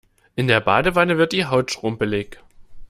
In der Badewanne wird die Haut schrumpelig.